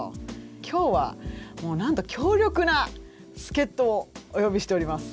今日はなんと強力な助っとをお呼びしております。